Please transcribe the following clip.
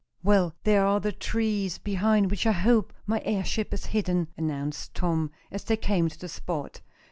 "Well, there are the trees behind which I hope my airship is hidden," announced Tom, as they came to the spot.